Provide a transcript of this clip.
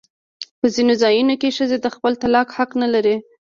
په ځینو ځایونو کې ښځې د خپل طلاق حق نه لري.